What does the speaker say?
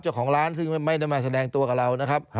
เจ้าของร้านซึ่งไม่ได้มาแสดงตัวกับเรานะครับ